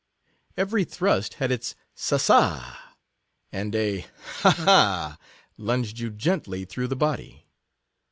Every thrust had its sa sa; and a ha hah lunged you gently through the body.